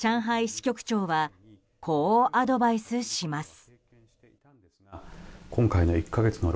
支局長はこうアドバイスします。